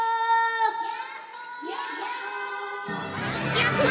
やった！